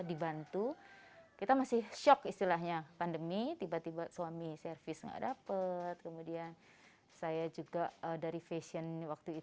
di mana izin pun zast darrahan tinggi calculate saat ini